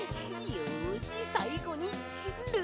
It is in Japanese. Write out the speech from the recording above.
よしさいごにルチタン！